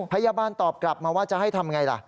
พยาบาลตอบกลับมาว่าจะให้ทำไงล่ะ